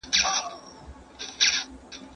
¬ بلا وه، برکت ئې نه و.